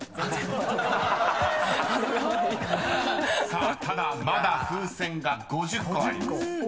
［さあただまだ風船が５０個あります］